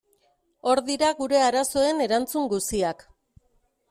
Hor dira gure arazoen erantzun guziak.